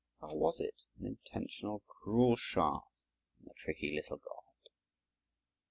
Or was it an intentional, cruel shaft from the tricky little god?